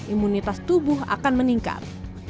imunitas tubuh akan meningkat